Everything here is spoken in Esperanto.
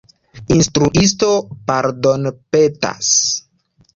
Instruisto pardonpetas.